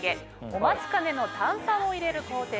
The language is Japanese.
お待ちかねの炭酸を入れる工程です。